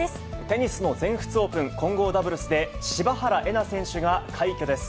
テニスの全仏オープン、混合ダブルスで柴原瑛菜選手が快挙です。